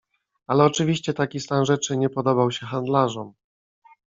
Ale oczywiście taki stan rzeczy nie podobał sie handlarzom.